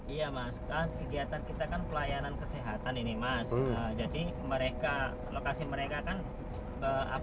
iya mas kegiatan kita kan pelayanan kesehatan ini mas